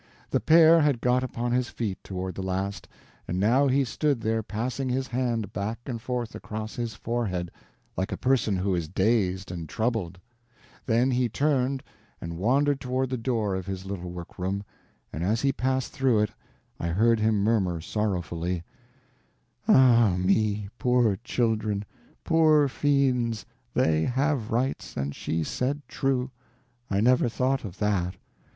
The Pere had got upon his feet, toward the last, and now he stood there passing his hand back and forth across his forehead like a person who is dazed and troubled; then he turned and wandered toward the door of his little workroom, and as he passed through it I heard him murmur sorrowfully: "Ah, me, poor children, poor fiends, they have rights, and she said true—I never thought of that.